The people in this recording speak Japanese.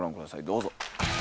どうぞ。